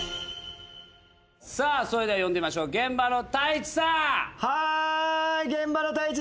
さぁそれでは呼んでみましょう現場の太一さん！